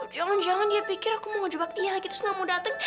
jangan jangan dia pikir aku mau ngejebak dia lagi terus gak mau dateng